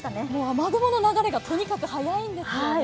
雨雲の流れがとにかく速いんですよね。